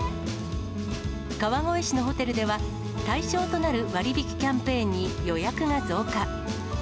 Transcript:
川越市のホテルでは、対象となる割引キャンペーンに予約が増加。